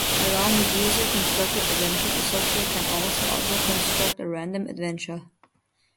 Along with user-constructed adventures, the software can also auto-construct a random adventure.